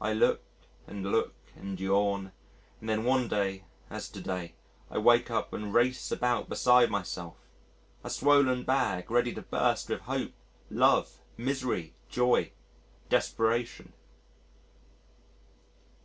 I look and look and yawn and then one day as to day I wake up and race about beside myself a swollen bag ready to burst with hope, love, misery, joy, desperation.